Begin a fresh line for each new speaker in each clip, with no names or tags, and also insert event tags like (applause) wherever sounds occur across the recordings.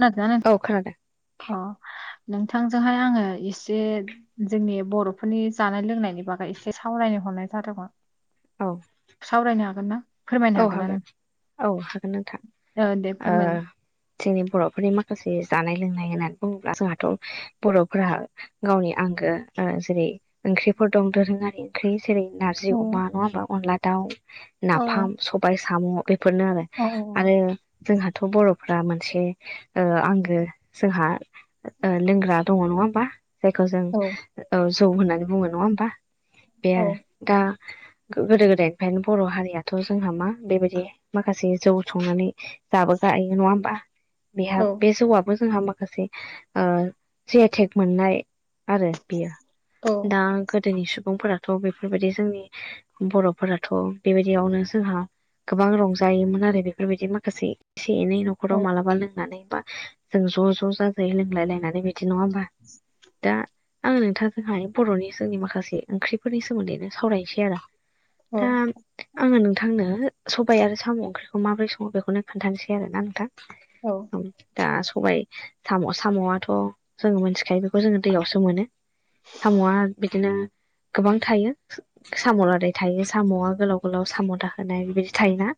खोनादोना नों
औ खोनादों।
अ नोंथांजोंहाय आङो इसे जोंनि बर'फोरनि जानाय लोंनायनि बागै एसे सावरायनो हरनाय जादोंमोन।
औ
सावरायनो हागोनना?
औ हागोन औ हागोन नोंथां
दे
ओ
फोरमायलाय
जोंनि बर'फोरनि माखासे जानाय लोंनाय होननानै बुङोब्ला जोंहाथ' बर'फोरा गावनि आंगो ओ जेरै ओंख्रिफोर दं दोरोङारि ओंख्रि जेरै नारजि अमा
औ
नङा होमबा अनला दाउ
औ
नाफाम सबाइ साम' बेफोरनो आरो
औ औ
आरो जोंहाथ' बर'फ्रा मोनसे ओ आंगो जोंहा ओ लोंग्रा दङ नङा ओमबा जायखौ जों जौ होननानै बुङो नङा ओमबा बे
औ
आरो दा गोदो गोदायनिफ्रायनो बर' हारियाथ' जोंहा मा बेबायदि माखासे जौ संनानै जाबोखायो नङा ओमबा?
औ
बेहा बे जौआबो जोंहा माखासे ओ जि आइ टेग मोननाय आरो बियो
औ
दा गोदोनि सुबुंफोरा थ' बेफोरबायदि जोंनि बर'फोराथ' बेबायदियावनो जोंहा गोबां रंजायोमोन आरो बेफोरबायदि माखासे एसे एनै न' खराव मालाबा लोंनानै बा जों ज' ज' जाजायै लोंलाय लायनानै बे बिदि नङा होमबा दा आं नोंथांजोंहाय बर'नि जोंनि माखासे ओंख्रिफोरनि सोमोन्दैनो सावरायनोसै आरो
औ
थां आङो नों थांनो सबाइ आरो साम' ओंख्रिखौ माबोरै सङो बेखौनो खोन्थानोसै आरोना नोंथां
औ
दा सबाइ साम' साम'आथ' जोङो मोनथिखायो बेखौ जोङो दैयावसो मोनो। साम'आ बिदिनो गोबां थायो। साम' लादाय थायो साम'आ गोलाव गोलाव साम' दा होनाय बेबायदि थायोना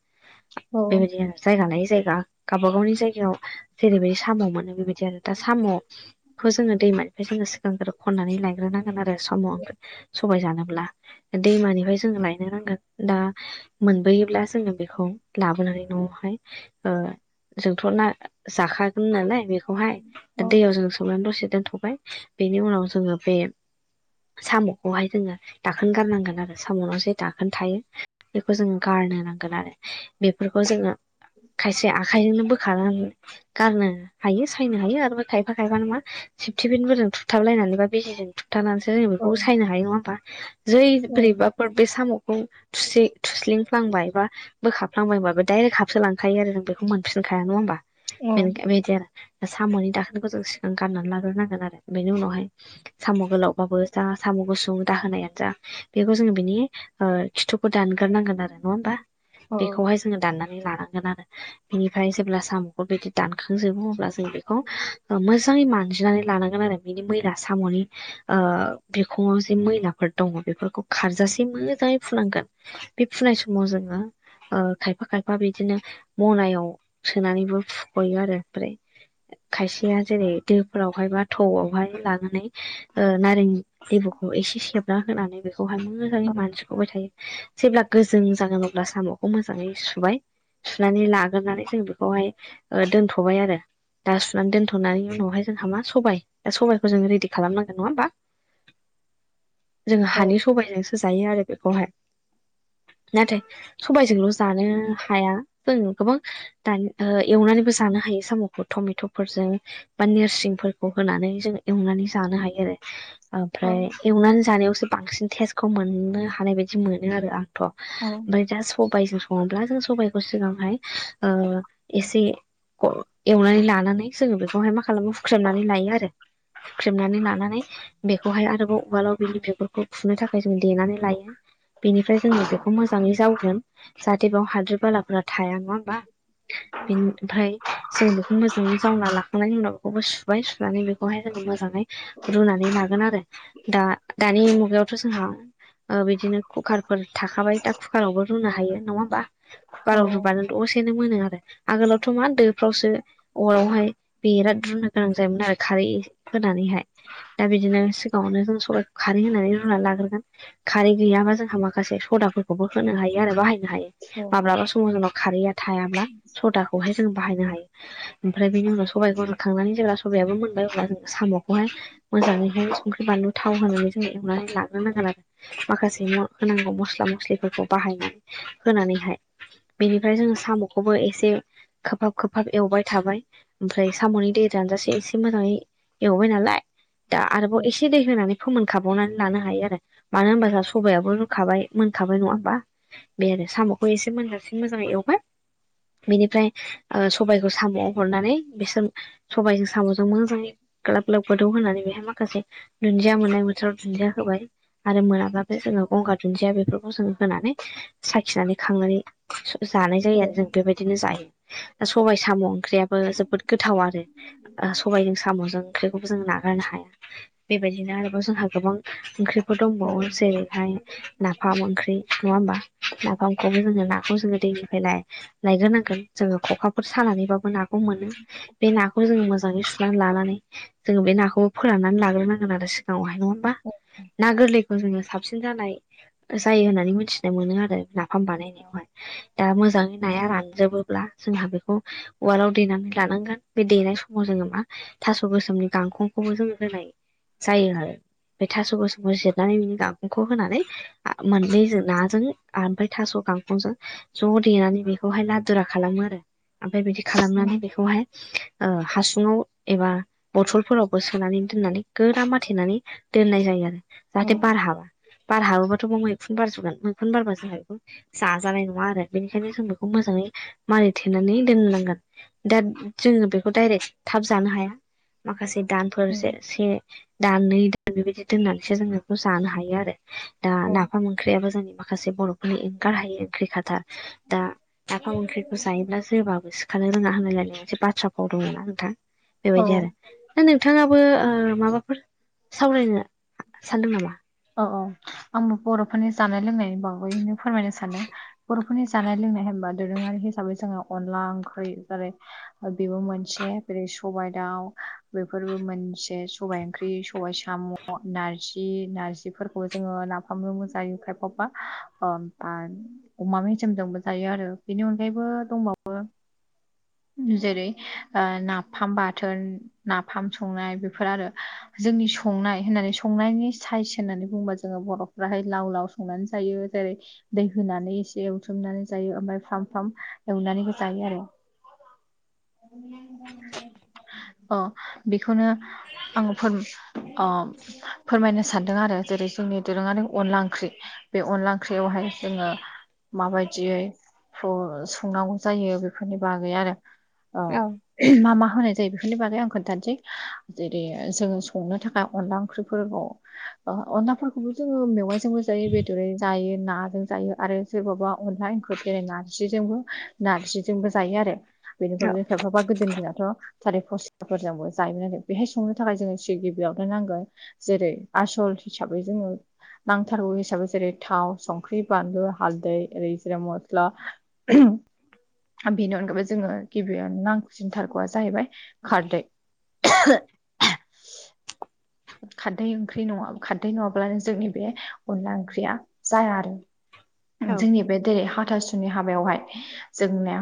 औ
बेबायदि आरो जायगा लायै जायगा गावबा गावनि जायगायाव जेरैबायदि साम' मोनो बेबाय जेन दा साम'खो जोङो दैमानिफ्राय जोङो सिगांग्रो खननानै लायग्रोनांगोन आरो साम' ओं सबाय जानोब्ला दैमानिफ्राय जोङो लायनो नांगोन दा मोनबोयोब्ला जोङो बेखौ लाबोनानै न'आवहाय ओ जोंथ' ना जाखागोन नालाय बेखौहाय
औ
दैयाव जों सोमनानै दसे दोनथ'बाय बेनि उनाव जोङो बे साम'खौहाय जोङो दाखोन गारनांगोन आरो साम'नाव जे दाखोन थायो बेखौ जोङो गारनो नांगोन आरो बेफोरखौ जोङो खायसे आखाइजोंनो बोखानांगोन गारनो हायो सायनो हायो आरोबा खायफा खायफा नङा सेफटिबिनफोरजों थुथाबलायनानैबा बेजों थुथानानैसो जों बेखौ सायनो हायो नङा होमबा जै बोरैबाफोर बे साम'खौ थुसि थुस्लिंफ्लांबाय बा बोखाबफांबाय होनबाबो डाइरेक्ट हाबस लांखायो आरो जों बेखौ मोनफिनखाया नङा होमबा
औ
बेनि बेदि आरो साम'नि दाखोनखौ जों सिगां गाननानै लाग्रोनांगोन आरो बेनि उनावहाय साम' गोलावबाबो जा साम' गुसुं दाहोनायानो जा बेखौ जोङो बिनि ओ खिथुखौ दानग्रोनांगोन आरो नङा होमबा बेखौहाय जो जोङो दाननानै लानांगोन आरो बिनिफ्राय जेब्ला साम'खौ बिदि दानखांजोबो अब्लासो जों बेखौ मोजाङै मानजिनानै लानांगोन आरो बिनि मैला साम'नि ओ बिखुङाव जे मैलाफोर दङ बेफोरखौ खारजासे मोजाङै हुनांगोन बे फुनाय समाव जोङो ओ खायफा खायफा बिदिनो मनायाव सोनानैबो फुख'यो आरो ओमफ्राय खायसेया जेरै दोफोरावहाय बा थौवहाय लानानै ओ नारें लेबुखौ एसे सेबना होनानै बेखौहाय मोजाङै मानजिखबाय थायो। जेब्ला गोजों जागोन अब्ला साम'खौ मोजाङै सुबाय सुनानै लाग्रोनानै जों बेखौहाय दोनथ'बाय आरो दा सुनानै दोनथ'नानै उनावहाय जोंहा मा सबाय दा सबायखौ जोङो रेडि खालामनांगोन नङा होमबा
(inaudible)
जोङो हानि सबाइजोंसो जायो आरो बेखौहाय नाथाय सबायजोंल' जानो हाया जों गोबां दानि एवनानैबो जानो हायो साम'खौ टमेट'फोरजों बा नोरसिंफोरखौ होनानै जों एवनानै जानो हायो आरो ओमफ्राय एवनानै जानायावसो बांसिन टेस्टखौ मोननो हानाय बायदि मोनो आरो आंथ'
औ
ओमफ्राय दा सबाइजों सङोब्ला जों सबाइखौ सिगांहाय ओ एसे एवनानै लानानै जोङो बेखौहाय मा खालामो हुख्रेमनानै लायो आरो हुख्रेमनानै लानानै बेखौहाय आरोबाव उवालाव बिनि बेगुरखौ फुनो थाखाय जों देनानै लायो ओमफ्राय जोङो बेखौ मोजाङै जावगोन जाहाथे बेयाव हाद्रि बालाफोरा थाया नङा होमबा ओमफ्राय जों बेखौ मोजाङै जावना ला खांनायनि उनाव बेखौबो सुबाय सुनानै बेखौहाय जोङो मोजाङै रुनानै लागोन आरो दा दानि मुगायावथ' जोंहा बिदिनो कुकार फोर थाखाबाय दा कुकार आवबो रुनो हायो नङा होमबा कुकार आाव रुबानो दसे दसेनो मोनो आरो आगोलावथ' मा दोफ्रावसो अरावहाय बेराद रुनो गोनां जायोमोन आरो खारै होनानैहाय दा बिदिनो सिगाङावनो जों सबायखौ खारै होनानै रुनानै लाग्रोगोन खारै गैयाबा जोंहा मा माखासे सदाफोरखौबो होनो हायो आरो बाहायनो हायो माब्लाबा समाव जा खारै आरो थायाब्ला सदाखौहाय जों बाहायनो हायो ओमफ्राय बेनि उनाव सबायखौहाय थांनानै जेब्ला सबायाबो मोनबाय अब्ला ज साम'खौहाय मोजाङैहाय संख्रि बानलु थाव होनानै जोंङो एवनानै लांग्रो नांगोन आरो माखासे न होनांगौ मस्ला मस्लिफोरखौ बाहायनानै होनानैहाय बेनिफ्राय जोङो साम'खौबो एसे खोबहाब खोबहाब एवबाय थाबाय ओमफ्राय साम'नि दै रानजासे एसे मोजाङै एवबाय नालाय दा आरोबाव एसे दै होनानै फोमोन खाबावनानै लानो हायो आरो मानो होनबा जों सबायाबो खाबाय मोनखाबाय बाय नङाबा बे आरो साम'खौ एसे मोनजासिन मोजाङै एवगोन बेनिफ्राय सबायाइखौ साम'आव हरनानै बिसोर सबायाइजों साम'जों मोजाङै ग्लाब ग्लाब गोदौ होननानै बेहाय माखासे दुन्दिया मोननाय बोथोराव दुन्दिया होबाय आरो मोनाब्लाथाय जोङो गंगार दुन्दिया बेफोरखौ जों होनानै साखिनानै खांनानै जानाय जायो आरो जों बेबायदि बिदिनो जायो दा सबायाइ साम' ओंख्रियाबो जोबोद गोथाव आरो सबायजों साम'जों ओंख्रिखौबो जों नागारनो हाया बेबायदिनो आरोबाव जोंहा गोबां ओंख्रिफोर दंबावो जेरैहाय नाफाम ओंख्रि नङा होमबा नाफामखौबो जोङो नाखौ जोङो दैनिफ्रायलाय लायग्रोनांगोन जोङो खखाफोर सानानैबाबो नाखौ मोनो बे नाखौ जों मोजाङै सुनानै लानानै जोङो बे नाखौबो फोराननानै लाग्रोनांगोन आरो सिगाङावहाय नङा होमबा ना गोरलैखौ जोङो साबसिन जानाय जायो होननानै मिथिनाय मोनो आरो नाफाम बानायनायावहाय दा मोजाङै नाया रानजोबोब्ला जोंहा बेखौ उवालाव देनानै लानांगोन बे देनाय समाव जोङो मा थास' गोसोमनि गांखंखौबो जोंङो होनाय जायो आरो ओमफ्राय थास गोसोमखौ जिरनानै बिनि गागंखौ होनानै मोननैजों नाजों ओमफ्राय थास' गांखंजों ज' देनानै बेखौहाय लादुरा खालामो आरो ओमफ्राय बिदि खालामनानै बेखौहाय हासुङाव एबा बथलफोरावबो सोनानै दोननानै गोरा माथेनानै दोननाय जायो आरो जाहाथे बार हाबा बारहाबोब्लााथ'ब मैखुन बारजोबगोन मैखुन बारबा जों हायखौ जाजानाय नङा आरो बेनिखायनो जों बेखौ मोजाङै मारैथेनानै दोन नांगोन दा जोङो बेखौ डायरेक्ट थाब जानो हाया माखासे दानफोर से दान नै दान बेबायदि दोननानैसो जोंङ बेखौ जानो हायो आरो दा नाफाम ओंख्रियाबो जोंनि माखासे बर'फोरनि ओंखार हायो ओंख्रि खाथार दा नाफाम ओंख्रिखौ जायोब्ला जोबाबो सि खारनो रोङा होनायानाय मोनसे बाथ्रा फाव दं आरो ना नोंथां
औ
बेबायदि आरो दा नोंथाङाबो ओ माबाफोर सावरायनो सानदों नामा
औ औ आंबो बर'फोरनि जानाय लोंनायनि बागैनो फोरमायनो सानो बर'फोरनि जानाय लोंनाय हबा दोरोङारि हिसाबै जोङो अनला ओंख्रि जेरै बेबो मोनसे जेरै सबाय दाउ बेफोरबो मोनसे सबाय ओंख्रि सबाय साम' नारजि नारजिफोरखौबो जोङो नाफामनो मो जायो खायफबा आरो अमा मेजेमजोंबो जायो आरो बेनि अनगायैबो दंबावो जेरै ओ नाफाम बाथोन नाफाम संनाय बेफोर आरो जोंनि संनाय होननानै संनायनि साइस होननानै बुंङोबा जोङो बर'फ्राहाय लाव लाव संनानै जायो जेरै दै होनानै एसे एवथ्रुमनानै जायो ओमफ्राय फ्राम फ्राम एवनानैबो जायो आरो अ बेखौनो आङो फोन ओ फोरमायनो सानदों आरो जेरै जोंनि दोरोङारि अनला ओंख्रि बे अनला ओंख्रियावहाय जोङो माबायदियै संनांगौ जायो बेफोरनि बागै आरो ओ
औ
मा मा होनाय जायो बेफोरनि बागै आं खोन्थानोसै जेरै जोङो संनो थाखाय अनला ओंख्रिफोरखौ अनलाफोरखौबो जोङो मेवाइजोंबो जायो बेदरै जायो नाजों जायो आरो सोरबाबा अनला एंखुर जेरै नारजिजोंबो नारजिजोंबो जायो आरो बेनिफ्रायनो खायफाबा गोदोनि दिनाथ' थालिर फस्लाफोरजोंबो जायोमोन आरो बेहाय संनो थाखाय जोङो सि गिबियावनो नांगोन जेरै आसल हिसाबै जोङो नांथारगौ हिसाबै जेरै थाव संख्रि बानलु हालदै ओरै जेरै मस्ला (unintelligible) बेनि अनगायै जोंनो गिबियावनो नांसिनथारगौआ जाहैबाय खारदै खारदै ओंख्रि नङा खारदै नङाब्लानो जोंनि बे अनला ओंख्रिया जाया आरो
औ
जोंनि बे जेरै हाथासु नि हाबायावहाय जोंनिया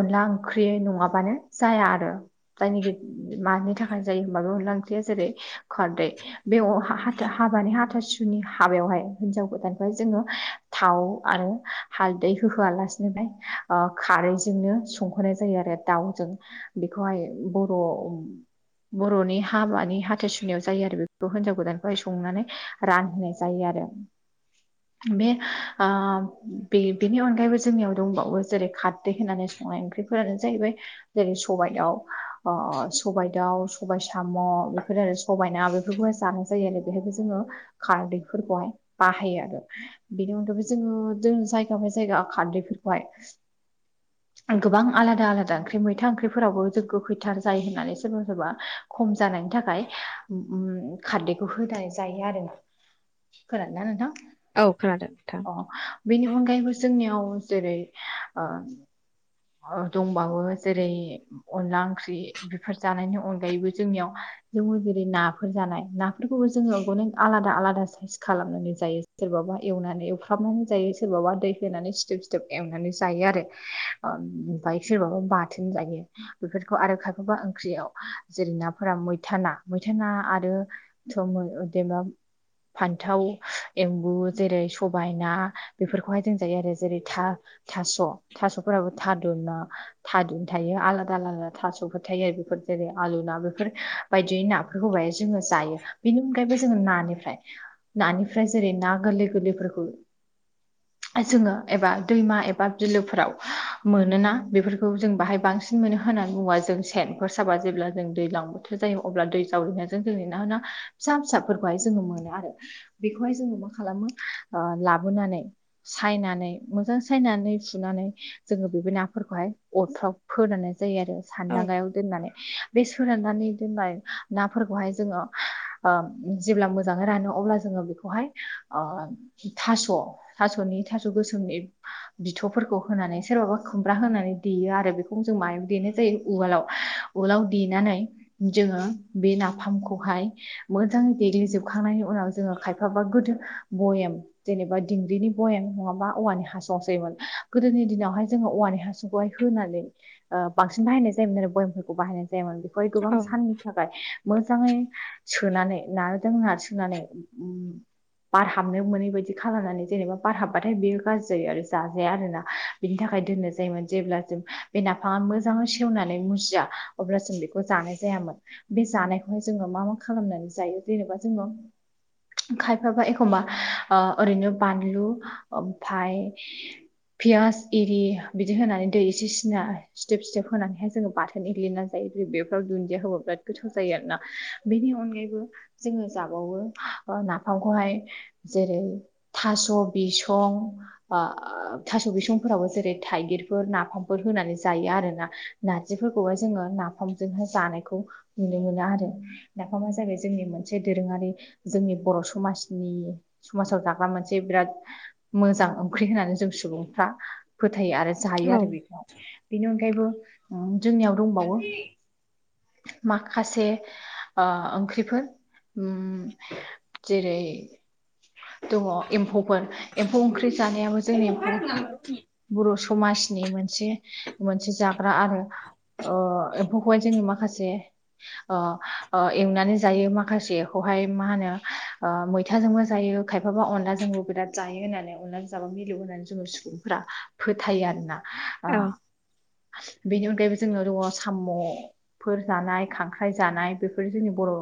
अनला ओंख्रि नङाबानो जाया आरो जायनिखि मानि थाखाय जायो होनबा बे अनला ओंख्रिया जेरै खारदै बेयाव अ हा हा हाथ हाबानि हाथासुनि हाबायावहाय हिनजाव गोदानखौहाय जोङो थाव आरो हालदै होहोआलासिनोहाय ओ खारैजोंनो संहोनाय जायो आरो दाउजों बेखौहाय बर' बर'नि हाबानि हाथासु नियाव जायो आरो बेखौ हिनजाव गोदानखौहाय संनानै रानहोनाय जायो आरो बे ओ बेनि अनगायैबो जोंनियाव दंबावो जेरै खारदै होनानै संनाय ओंख्रिफोरानो जाहैबाय जेरै सबाइ दाउ ओ सबाइ दाउ सबाय साम' बेफोर आरो सबाय ना बेफोरखौहाय जानाय जायो आरो बेहायबो जोङो खारदैफोरखौहाय बाहायो आरो बिनि अनगायैबो जोङो जों जायगा बाय जायगा खारदैफोरखौहाय गोबां आलादा आलादा ओंख्रि मैथा ओंख्रिफोरावबो जों गोखैथार जायो होननानै सोरबा सोरबा खम जानायनि थाखाय उम खारदैखौ होनानै जायो आरोना खोनादोंना नोंथां
औ खोनादों नोंथां
अ बेनि अनगायैबो जोंनियाव जेरै ओ दंबावो जेरै अनला ओंख्रि बेफोर जानायनि अनगायैबो जोंनियाव जों जेरै नाफोर जानाय नाफोरखौबो जोङो अनेक आलादा आलादा साइज खालामनानै जायो सोरबाबा एवनानै एवफ्राबनानै जायो सोरबाबा दै होनानै सिदोब सिदोब एवनानै जायो आरो ओ ओमफ्राय सोरबाबा बाथोन जायो बेफोरखौ आरो खायफाबा ओंख्रियाव जेरै नाफोरा मैथा ना मैथा ना आरो (unintelligible) फान्थाव एम्बु जेरै सबाय ना बेफोरखौहाय जों जायो आरो जेरै था थास' थास'फोराबो थाद' ना थादुन थायो आलादा आलादा थास'फोर थायो आरो बेफोर जेरै आलु ना बेफोर बायदि ना होबाय जोङो जायो बेनि अनगायैबो जोङो नानिफ्राय नानिफ्राय जेरै ना गोरलै गोरलैफोरखौ जोङो एबा दैमा एबा बिलोफोराव मोनोना बेफोरखौ जों बाहाय बांसिन मोनो होननानै बुङोबा जों सेनफोर साबा जेब्ला जों दैलां बोथोर जायो अब्ला दै जावरिनायजों जों ना ना फिसा फिसाफोरखौहाय जोङो मोनो आरो बेखौहाय जोङो मा खालामो लाबोनानै सायनानै मोजां सायनानै फुनानै जोङो बे नाफोरखौहाय अरफ्राव फोरानना जायो आरो
औ
सान्दांगायाव दोननानै बे सोराननानै दोननाय नाफोरखौहाय जोङो जेब्ला मोजाङै रानो अब्ला जोङो बेखौहाय ओ थास' थास'नि थास' गोसोमनि बिथ'फोरखौ होनानै सोरबाबा खुमब्रा होनानै देयो आरो बेखौ जों मायाव देनाय जायो उवालाव उवालाव देनानै जोङो बे नाफामखौहाय मोजाङै देग्लिजोबखांनायनि उनाव जोङो खायफाबा गोदो भयेम जेनेबा दिंग्रिनि बयेम नङाबा औवानि हासुंआव सोयोमोन गोदोनि दिनावहाय जोङो औवानि हास खौहाय होनानै ओ बांसिन बाहायनाय जायोमोन आरो बयेमफोरखौ बाहायनाय जायामोन बेखौहाय गोबां
औ
सान मोजाङै सोनानै नाजों नार सोनानै बार हाबनो मोनै बायदि खालामनानै जेनेबा बार हाबबाथाय बेयो गाज्रि जायो आरो जाजाया आरोना बिनि थाखाय दोननाय जायोमोन जेब्ला जों बे नाफामा मोजांङै सेवनानै मुजिया अब्ला जों बेखौ जानाय जायामोन बे जानायखौहाय जोङो मा मा खालामनानै जायो जेनेबा जोङो खायफाबा एखमबा ओरैनो बानलु ओमफ्राय पियास एरि बिदि होनानै दै एसे सिना सिथोब सिथोब होनानैहाय जोंङो बाथोन एर्लिनानै बेफ्राव दुन्दिया होबा बिराद गोथाव जायो आरोना बेनि अनगायैबो जोङो जाबावो नाफामखौहाय जेरै थास' बिसं थास' बिसंफोरावबो जेरै थाइगिर फोर नाफामफोर होनानै जायो आरो ना नारजिफोरखौहाय जोङो नाफामजोंहाय जानायखौ नुनो मोनो आरो नाफामा जाबाय जोंनि मोनसे दोरोङारि जोंनि बर' समाजनि समाजाव जाग्रा मोनसे बिराद मोजां ओंख्रि होननानै जों सुबुंफ्रा फोथायो आरो जायो आरो बेखौहाय बेनि अनगायैबो जोंनियाव दंबावो माखासे ओंख्रिफोर जेरै दङ एम्फौफोर एम्फौ ओंख्रि जानायाबो जोंनि एम्फौ
औ
बर' समाज नि मोनसे मोनसे जाग्रा आरो एम्फौखौहाय जोङो माखासे ओ ओ एवनानै जायो माखासेखौहाय मा होनो ओ मैथाजोंबो जायो खायफाबा अनलाजोंबो बिराद जायो होननानै अनलाजों जाबा मिलौ होनानै जोंङो सुबुंफोरा फोथायो आरोना
औ
बेनि अनगायैबो जोंनाव दंङ साम'फोर जानाय खांख्राइ जानाय बेफोर जोंनि बर'